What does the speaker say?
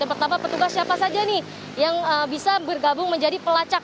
yang pertama petugas siapa saja nih yang bisa bergabung menjadi pelacak